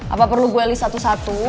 apa perlu gue list satu satu